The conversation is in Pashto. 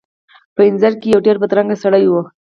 په انځور کې یو ډیر بدرنګه سړی و.